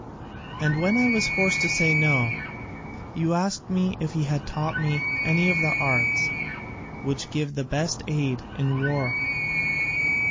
And when I was forced to say no, you asked me if he had taught me any of the arts which give the best aid in war.